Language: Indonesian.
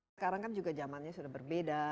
sekarang kan juga zamannya sudah berbeda